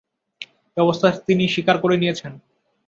এ-অবস্থা তিনি স্বীকার করে নিয়েছেন!